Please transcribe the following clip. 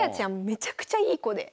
めちゃくちゃいい子で。